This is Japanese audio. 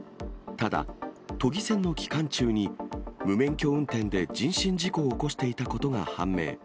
ただ、都議選の期間中に、無免許運転で人身事故を起こしていたことが判明。